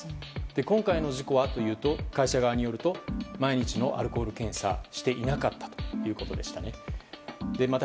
今回の事故はというと会社側によると毎日のアルコール検査していなかったということでした。